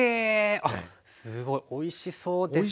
あっすごいおいしそうですね。